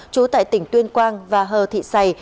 chú tại tỉnh tuyên quang và hờ thị xày